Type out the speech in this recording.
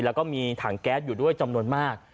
แล้วก็มีถังแก๊สอยู่ด้วยจำนวนมาก